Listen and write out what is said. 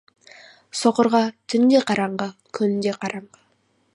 Соқырға түн де қараңғы, күн де қараңғы.